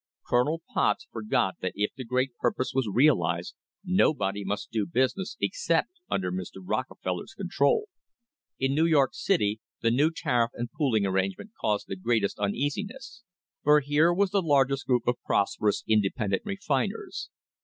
Colonel Potts forgot that if the Great Purpose was realised nobody must do business except under Mr. Rockefeller's control. In New York City the new tariff and pooling arrange ments caused the greatest uneasiness, for here was the largest group of prosperous independent refiners.